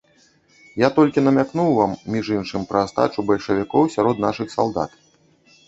Я толькі намякнуў вам, між іншым, пра астачу бальшавікоў сярод нашых салдат.